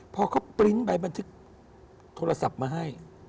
พอเขาปริ้นต์ใบบันทึกโทรศัพท์มาให้